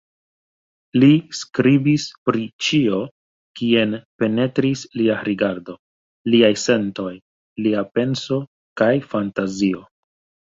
Li skribis pri ĉio, kien penetris lia rigardo, liaj sentoj, lia penso kaj fantazio.